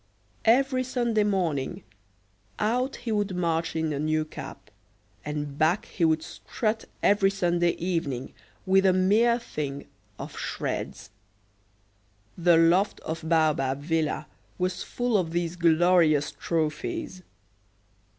Every Sunday morning out he would march in a new cap, and back he would strut every Sunday evening with a mere thing of shreds. The loft of Baobab Villa was full of these glorious trophies.